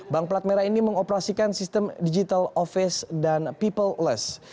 bank pelat merah ini mengoperasikan sistem digital office dan peopless